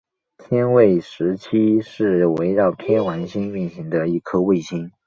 天卫十七是环绕天王星运行的一颗卫星。